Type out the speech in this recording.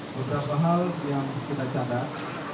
beberapa hal yang kita catat